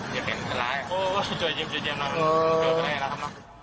อย่างหายโอ้โหสวยเย็นมา